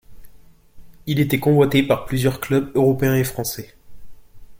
Il était convoité par plusieurs clubs européens et français.